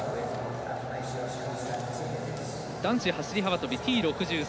男子走り幅跳びＴ６３